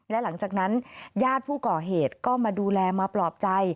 และหลังจากนั้นญาติผู้ก่อเหตุก็มาดูแลมาปลอบใจ